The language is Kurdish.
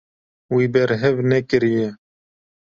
Wî berhev nekiriye.